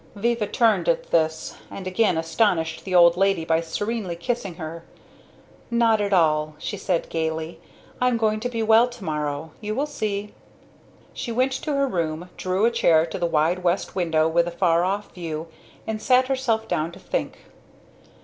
Viva turned at this and again astonished the old lady by serenely kissing her. "Not at all!" she said gaily. "I'm going to be well to morrow. You will see!" She went to her room, drew a chair to the wide west window with the far off view and sat herself down to think.